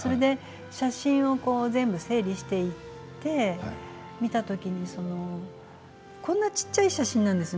写真を全部整理して見た時にこんな小っちゃい写真なんです